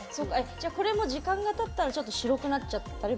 これも時間がたったらちょっと白くなったったり？